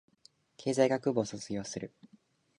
経済学部を卒業する